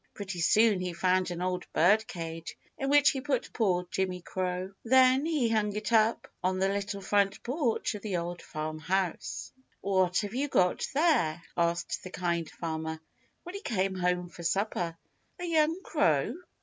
Pretty soon he found an old birdcage, in which he put poor Jimmy Crow. Then he hung it up on the little front porch of the Old Farm House. "What have you got there," asked the Kind Farmer when he came home for supper, "a young crow?"